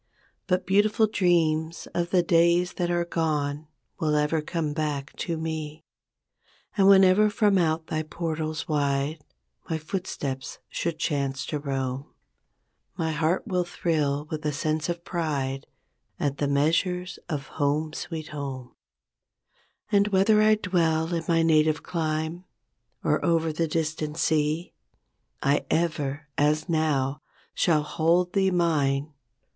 But beautiful dreams of the days that are gone Will ever come back to me; And whenever from out thy portals wide My footsteps chance to roam 20 My heart will thrill with a sense of pride At the measures of "Home Sweet Home''. And whether I dwell in my native clime, Or over the distant sea, I ever, as now, shall hold thee mine.